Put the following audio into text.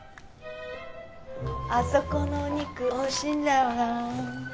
あそこのお肉おいしいんだよな。